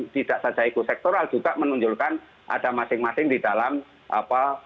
tidak saja ekosektoral juga menunjukkan ada masing masing di dalam apa